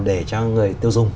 để cho người tiêu dùng